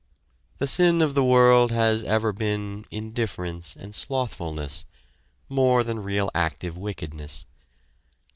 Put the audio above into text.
The sin of the world has ever been indifference and slothfulness, more than real active wickedness.